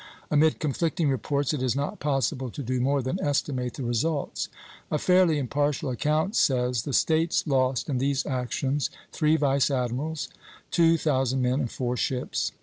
Amid conflicting reports it is not possible to do more than estimate the results. A fairly impartial account says: "The States lost in these actions three vice admirals, two thousand men, and four ships.